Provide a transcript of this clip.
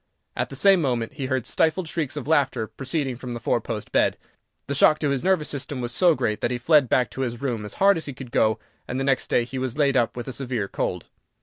At the same moment he heard stifled shrieks of laughter proceeding from the four post bed. The shock to his nervous system was so great that he fled back to his room as hard as he could go, and the next day he was laid up with a severe cold.